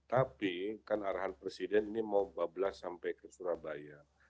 tapi kan arahan presiden ini mau bablas sampai ke surabaya